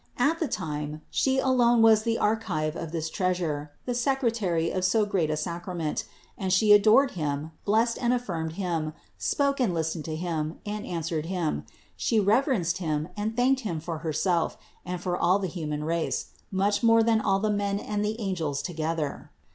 At the time She alone was the archive of this Treasure, the secretary of so great a sacrament, and She adored Him, blessed and admired Him, spoke and listened to Him, and answered Him; She reverenced Him and thanked Him for Herself and for all the human race, much more than all the men and the angels together.